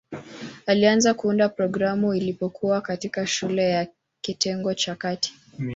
Alianza kuunda programu alipokuwa katikati shule ya kitengo cha kati.